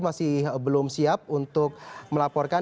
masih belum siap untuk melaporkan